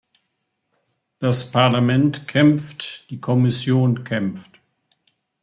Das Parlament kämpft, die Kommission kämpft.